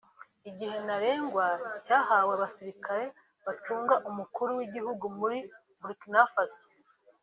Igihe ntarengwa cyahawe abasirikare bacunga umukuru w’igihugu muri Burkina Faso